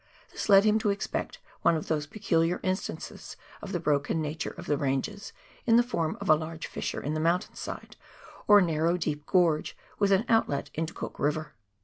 This led him to expect one of those peculiar instances of the broken nature of the ranges in the form of a large fissure in the mountain side, or narrow deep gorge with an outlet into Cook E iver.